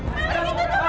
malik itu tuh